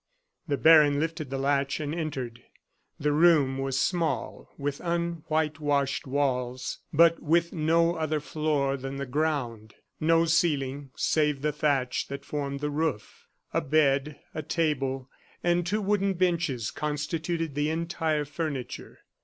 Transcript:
The baron lifted the latch and entered. The room was small, with un white washed walls, but with no other floor than the ground; no ceiling save the thatch that formed the roof. A bed, a table and two wooden benches constituted the entire furniture.